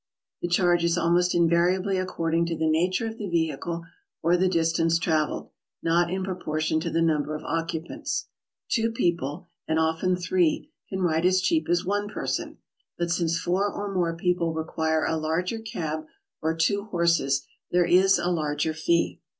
The charge is almost invariably according to the nature of the vehicle or the distance traveled, — not in pro portion to the number of occupants. Two people, and often three, can ride as cheap as one person, but since four or more people require a larger cab or two horses, there is a larger fare.